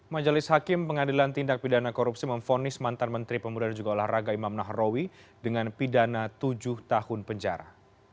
majelis hakim pengadilan tindak pidana korupsi memfonis mantan menteri pemuda dan juga olahraga imam nahrawi dengan pidana tujuh tahun penjara